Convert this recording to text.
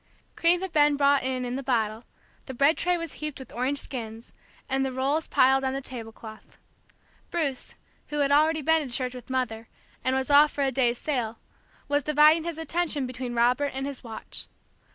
Cream had been brought in in the bottle, the bread tray was heaped with orange skins, and the rolls piled on the tablecloth. Bruce, who had already been to church with Mother, and was off for a day's sail, was dividing his attention between Robert and his watch.